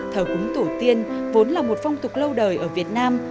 thờ cúng tổ tiên vốn là một phong tục lâu đời ở việt nam